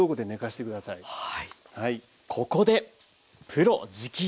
ここで「プロ直伝！」。